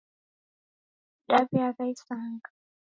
Daw'eagha isanga